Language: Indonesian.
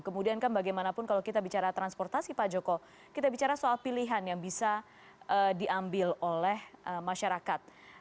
kemudian kan bagaimanapun kalau kita bicara transportasi pak joko kita bicara soal pilihan yang bisa diambil oleh masyarakat